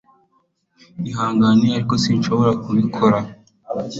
Ihangane ariko sinshobora kubikora